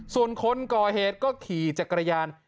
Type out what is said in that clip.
ส่วนคนก่อเหตุก็ขี่จักรยาน